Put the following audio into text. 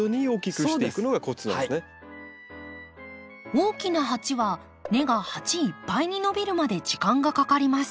大きな鉢は根が鉢いっぱいに伸びるまで時間がかかります。